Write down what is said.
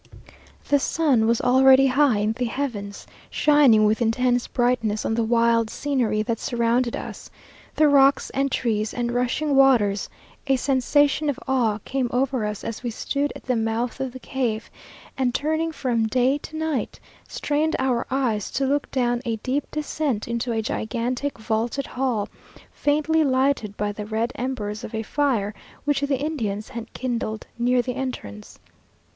The sun was already high in the heavens, shining with intense brightness on the wild scenery that surrounded us, the rocks and trees and rushing waters; a sensation of awe came over us as we stood at the mouth of the cave, and, turning from day to night, strained our eyes to look down a deep descent into a gigantic vaulted hall, faintly lighted by the red embers of a fire which the Indians had kindled near the entrance.